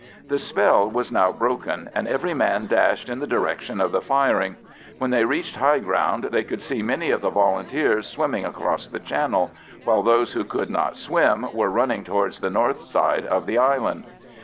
The spell was now broken, and every man dashed in the direction of the firing. When they reached high ground they could see many of the Volunteers swimming across the channel, while those who could not swim were running towards the north side of the island.